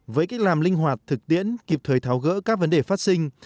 với cách làm linh hoạt thực tiễn kịp thời tháo gỡ các vấn đề phát sinh